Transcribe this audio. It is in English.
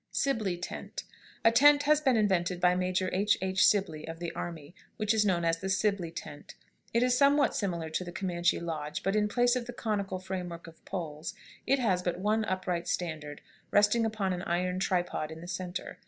SIBLEY TENT. A tent has been invented by Major H. H. Sibley, of the army, which is known as the "Sibley tent." It is somewhat similar to the Comanche lodge, but in place of the conical frame work of poles it has but one upright standard, resting upon an iron tripod in the centre.